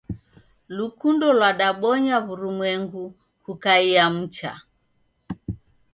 Lukundo lwadabonya w'urumwengu kukaiya mcha.